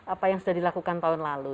apa yang sudah dilakukan tahun lalu